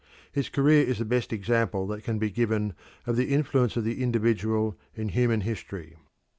His career is the best example that can be given of the influence of the individual in human history.